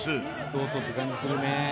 京都って感じするね。